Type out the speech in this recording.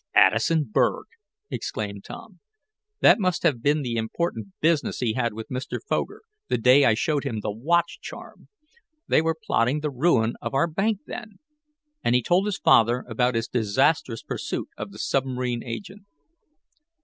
"Addison Berg!" exclaimed Tom. "That must have been the important business he had with Mr. Foger, the day I showed him the watch charm! They were plotting the ruin of our bank then," and he told his father about his disastrous pursuit of the submarine agent.